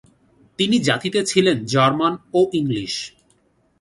তিনি জাতিতে ছিলেন জার্মান ও ইংলিশ।